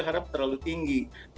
tidak terlalu mengagetkan